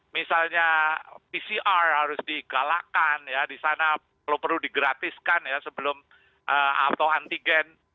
misalnya pcr harus digalakkan ya di sana perlu digratiskan ya sebelum atau antigen